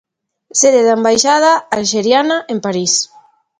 Sede da embaixada alxeriana en París.